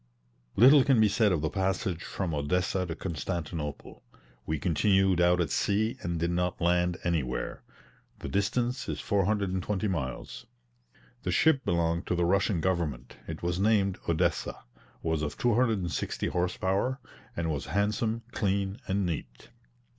Little can be said of the passage from Odessa to Constantinople; we continued out at sea and did not land anywhere. The distance is 420 miles. The ship belonged to the Russian government, it was named Odessa, was of 260 horse power, and was handsome, clean, and neat.